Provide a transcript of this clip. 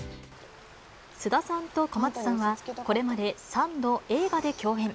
菅田さんと小松さんは、これまで３度、映画で共演。